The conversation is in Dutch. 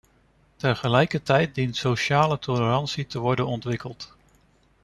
Tegelijkertijd dient sociale tolerantie te worden ontwikkeld.